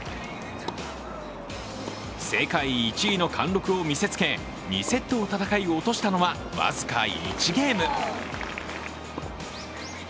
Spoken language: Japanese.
世界１位の貫禄を見せつけ、２セットを戦い、落としたのは僅か１ゲーム。